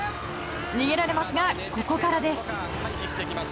逃げられますが、ここからです。